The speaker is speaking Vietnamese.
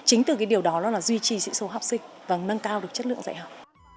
chính từ cái điều đó là duy trì sĩ số học sinh và nâng cao được chất lượng dạy học